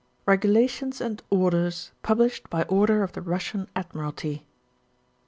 REGULATIONS AND ORDERS, PUBLISBED BT ORDBB OF THE BUdSIAN ADMIRALTY.